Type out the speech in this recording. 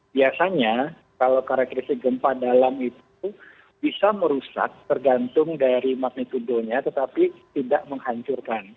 biasanya kalau karakteristik gempa dalam itu bisa merusak tergantung dari magnitudonya tetapi tidak menghancurkan